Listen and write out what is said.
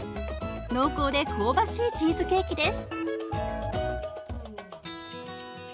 濃厚で香ばしいチーズケーキです。